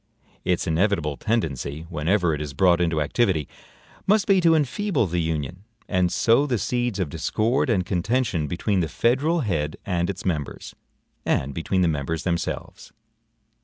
Its inevitable tendency, whenever it is brought into activity, must be to enfeeble the Union, and sow the seeds of discord and contention between the federal head and its members, and between the members themselves.